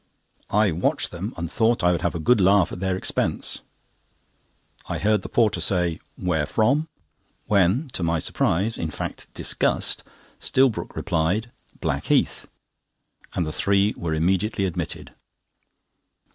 I watched them, and thought I would have a good laugh at their expense, I heard the porter say: "Where from?" When, to my surprise, in fact disgust, Stillbrook replied: "Blackheath," and the three were immediately admitted.